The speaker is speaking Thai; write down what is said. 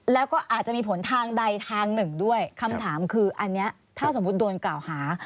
แล้วก็อาจจะมีผลทางใดทางหนึ่งด้วยคำถามคืออันนี้ถ้าสมมุติโดนกล่าวหา